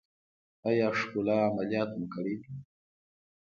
ایا ښکلا عملیات مو کړی دی؟